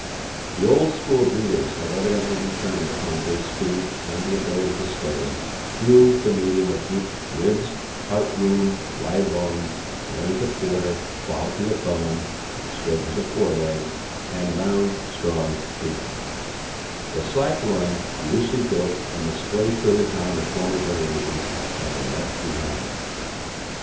The old school of breeders had evidently determined upon great speed and the ability to stay, through the medium of deep ribs, heart room, wide loins, length of quarter, quality of bone, straightness of fore leg, and round strong feet; the slack loined, loosely built, and splayfooted hound of former generations had been left behind.